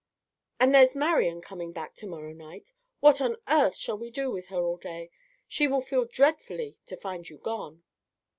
And there's Marian coming back to morrow night. What on earth shall we do with her all day? She will feel dreadfully to find you gone."